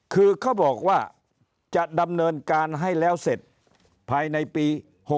คือเขาบอกว่าจะดำเนินการให้แล้วเสร็จภายในปี๖๖